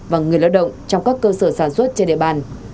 và người lao động trong các cơ sở sản xuất trên địa bàn